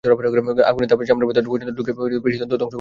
আগুনের তাপ চামড়ার ভেতর পর্যন্ত ঢুকে ভেতরের পেশিতন্তু ধ্বংস করতে থাকে।